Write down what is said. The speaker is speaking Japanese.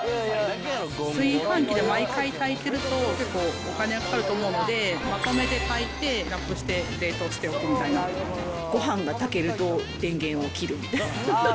炊飯器で毎回炊いてると、結構お金がかかると思うので、まとめて炊いて、ごはんが炊けると電源を切るみたいな。